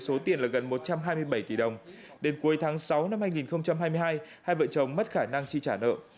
số tiền là gần một trăm hai mươi bảy tỷ đồng đến cuối tháng sáu năm hai nghìn hai mươi hai hai vợ chồng mất khả năng chi trả nợ